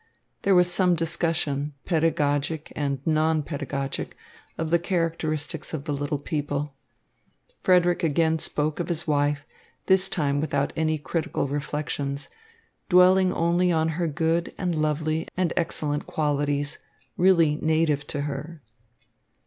There was some discussion, pedagogic and non pedagogic, of the characteristics of the little people. Frederick again spoke of his wife, this time without any critical reflections, dwelling only on her good and lovely and excellent qualities, really native to her.